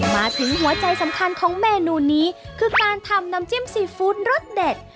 มาถึงหัวใจสำคัญของเมนูนี้คือการทำน้ำจิ้มซีฟู้ดรสเด็ด